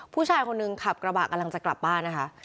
ผู้ชายคนหนึ่งขับกระบะกำลังจะกลับบ้านนะคะ